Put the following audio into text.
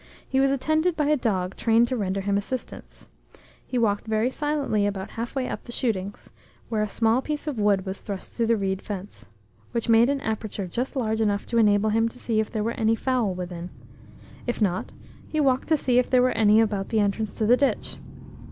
He was attended by a dog trained to render him assistance. He walked very silently about halfway up the shootings, where a small piece of wood was thrust through the reed fence, which made an aperture just large enough to enable him to see if there were any fowl within; if not, he walked to see if any were about the entrance to the ditch.